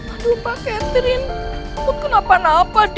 aduh mbak catherine tuh kenapa napa deh